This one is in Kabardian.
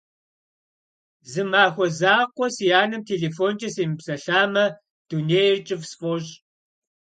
Зы махуэ закъуэ си анэм телефонкӏэ семыпсэлъамэ, дунейр кӏыфӏ сфӏощӏ.